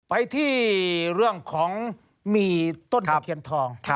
ไปที่เรื่องของมีต้นตะเคียนทอง